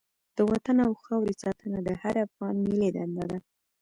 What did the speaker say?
د وطن او خاورې ساتنه د هر افغان ملي دنده ده.